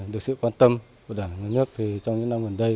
được sự quan tâm của đảng nhà nước trong những năm gần đây